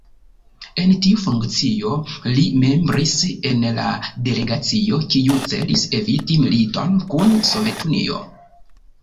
En tiu funkcio li membris en la delegacio kiu celis eviti militon kun Sovetunio.